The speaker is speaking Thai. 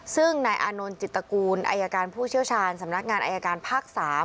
ซึ่งนายอานนท์จิตกูลอายการผู้เชี่ยวชาญสำนักงานอายการภาค๓